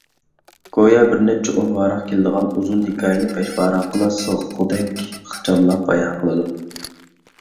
گويا بىرنەچچە ئون ۋاراق كېلىدىغان ئۇزۇن ھېكايىنى بەش ۋاراققىلا سىغقۇدەك ئىخچاملاپ بايان قىلىدۇ.